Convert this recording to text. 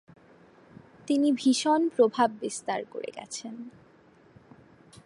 তিনি ভীষণ প্রভাববিস্তার করে গেছেন।